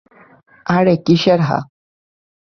আরে কিসের হ্যাঁ?